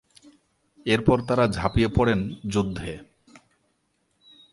এরপর তারা ঝাঁপিয়ে পড়েন যুদ্ধে।